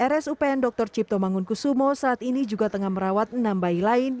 rsupn dr cipto mangunkusumo saat ini juga tengah merawat enam bayi lain